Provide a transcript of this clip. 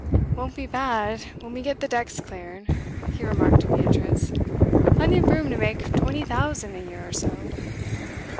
'Won't be bad, when we get the decks cleared,' he remarked to Beatrice. 'Plenty of room to make twenty thousand a year or so.